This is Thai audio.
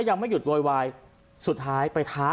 ก็แค่มีเรื่องเดียวให้มันพอแค่นี้เถอะ